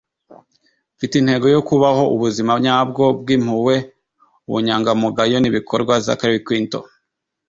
nfite intego yo kubaho ubuzima nyabwo bw'impuhwe, ubunyangamugayo n'ibikorwa. - zachary quinto